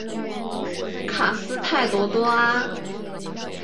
卡斯泰德多阿。